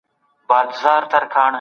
موږ باید د تېر وخت ټولنې وپېژنو.